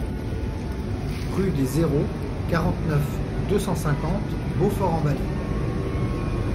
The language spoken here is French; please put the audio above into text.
Rue des Airaults, quarante-neuf, deux cent cinquante Beaufort-en-Vallée